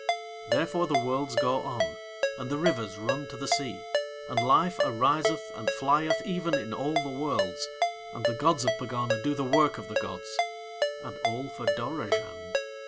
Therefore the Worlds go on, and the rivers run to the sea, and Life ariseth and flieth even in all the Worlds, and the gods of Pegana do the work of the gods and all for Dorozhand.